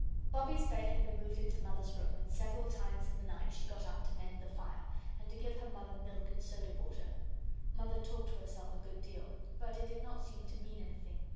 Bobbie's bed had been moved into Mother's room, and several times in the night she got up to mend the fire, and to give her mother milk and soda water. Mother talked to herself a good deal, but it did not seem to mean anything.